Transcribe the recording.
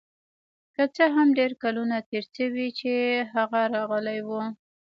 که څه هم ډیر کلونه تیر شوي چې هغه راغلی و